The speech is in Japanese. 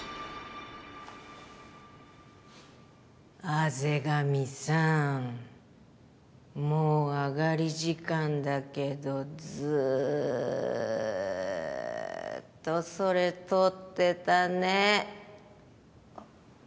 畔上さんもう上がり時間だけどずっとそれ取ってたね。